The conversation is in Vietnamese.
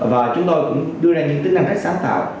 và chúng tôi cũng đưa ra những tính năng thể sáng tạo